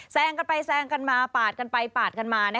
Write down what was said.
แซงกันไปแซงกันมาปาดกันไปปาดกันมา